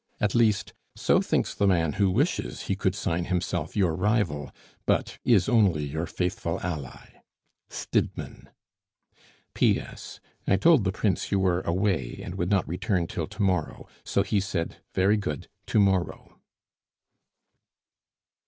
At least, so thinks the man who wishes he could sign himself your rival, but is only your faithful ally, "STIDMANN. "P. S. I told the Prince you were away, and would not return till to morrow, so he said, 'Very good to morrow.